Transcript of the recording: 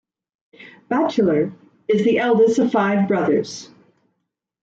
Batchelor is the eldest of five brothers.